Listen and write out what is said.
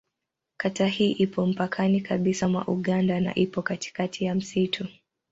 Kata hii ipo mpakani kabisa mwa Uganda na ipo katikati ya msitu.